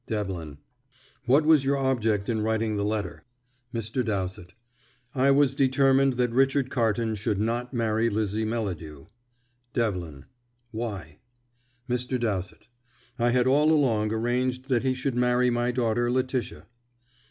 Devlin: "What was your object in writing the letter?" Mr. Dowsett: "I was determined that Richard Carton should not marry Lizzie Melladew." Devlin: "Why?" Mr. Dowsett: "I had all along arranged that he should marry my daughter Letitia."